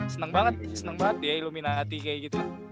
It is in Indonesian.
seneng banget seneng banget dia illuminati kayak gitu